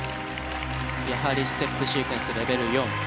やはりステップシークエンスレベル４。